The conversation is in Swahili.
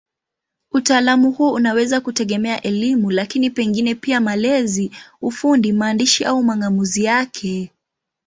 Utaalamu huo unaweza kutegemea elimu, lakini pengine pia malezi, ufundi, maandishi au mang'amuzi yake.